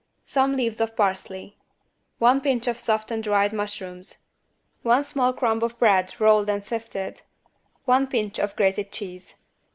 Some leaves of parsley. One pinch of softened dried mushrooms. One small crumb of bread rolled and sifted. One pinch of grated cheese.